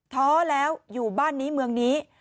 ท้อแล้วอยู่บ้านนี้เมืองนี้